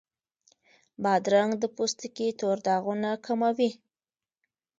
بادرنګ د پوستکي تور داغونه کموي.